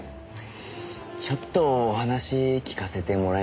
ちょっとお話聞かせてもらえますよね？